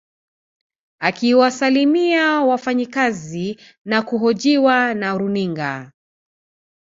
Akiwasalimia wafanyakazi na kuhojiwa na runinga